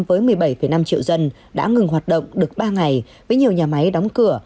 với một mươi bảy năm triệu dân đã ngừng hoạt động được ba ngày với nhiều nhà máy đóng cửa